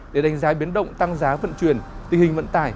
để đánh giá biến động tăng giá vận chuyển tình hình vận tải